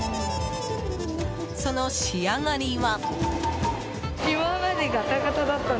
その仕上がりは。